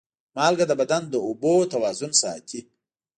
مالګه د بدن د اوبو توازن ساتي.